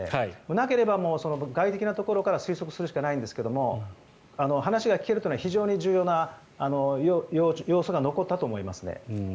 なければ、外的なところから推測するしかないんですが話が聞けるというのは非常に重要な要素が残ったと思いますね。